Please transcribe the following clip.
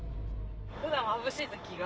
普段まぶしい時は。